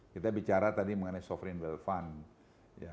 kita bicara tadi mengenai sovereign wealth fund